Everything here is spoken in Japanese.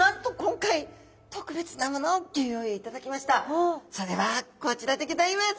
なんと今回それはこちらでギョざいます。